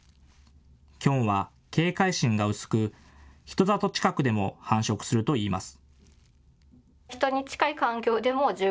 キョンは警戒心が薄く人里近くでも繁殖するといいます。